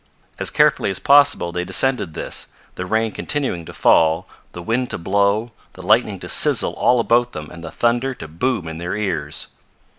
As carefully as possible they descended this, the rain continuing to fall, the wind to blow, the lightning to sizzle all about them and the thunder to boom in their ears.